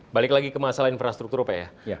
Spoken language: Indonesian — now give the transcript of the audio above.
balik lagi ke masalah infrastruktur apa ya